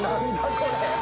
これ。